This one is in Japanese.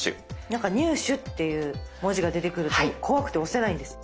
なんか入手っていう文字が出てくると怖くて押せないんです。